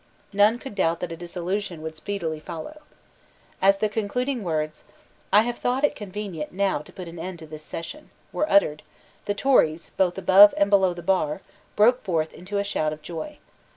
None could doubt that a dissolution would speedily follow. As the concluding words, "I have thought it convenient now to put an end to this session," were uttered, the Tories, both above and below the bar, broke forth into a shout of joy.